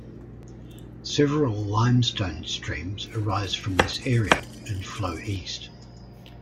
Several limestone streams arise from this area and flow east.